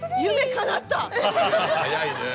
早いね。